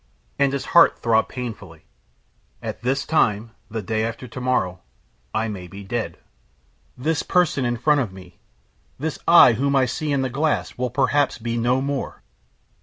And his heart throbbed painfully. "At this time the day after to morrow I may be dead. This person in front of me, this 'I' whom I see in the glass, will perhaps be no more.